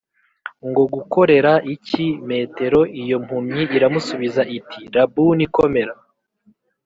ko ngukorera iki m Iyo mpumyi iramusubiza iti Rabuni komera